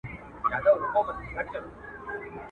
تر بل ډنډ پوري مي ځان سوای رسولای !.